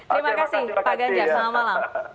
terima kasih pak ganjar selamat malam